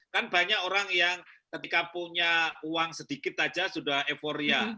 kan banyak orang yang ketika punya uang sedikit saja sudah euforia